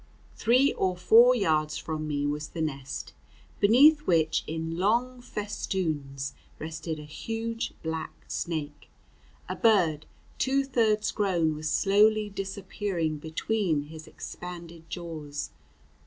Three or four yards from me was the nest, beneath which, in long festoons, rested a huge black snake; a bird two thirds grown was slowly disappearing between his expanded jaws.